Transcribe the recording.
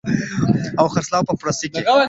او خرڅلاو په پروسه کې